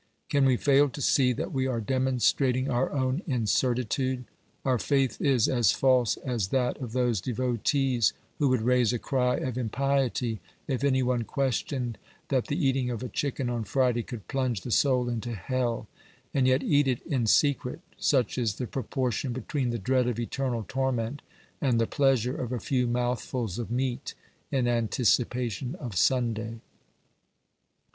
Can we fail to see that we are demonstrating our own incertitude? Our faith is as false as that of those devotees who would raise a cry of impiety if any one questioned that the eating of a chicken on Friday could plunge the soul into hell, and yet eat it in secret, such is the proportion between the dread of eternal torment and the pleasure of a few mouthfuls of meat in anticipation of Sunday.